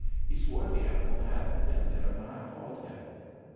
He swore the animal hadn't been there when I called him.